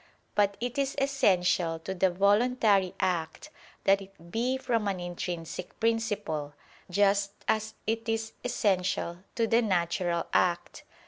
But it is essential to the voluntary act that it be from an intrinsic principle, just as it is essential to the natural act.